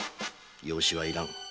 養子はいらん。